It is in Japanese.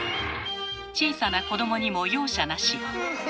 小さな子どもにも容赦なし。